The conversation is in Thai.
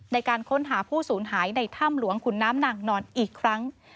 ในการค้นหาผู้สูญหายในถ้ำหลวงขุนน้ำนางนอนอีกครั้ง